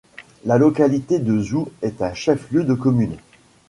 La localité de Zou est un chef-lieu de commune.